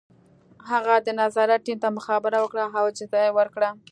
هغه د نظارت ټیم ته مخابره وکړه او اجازه یې ورکړه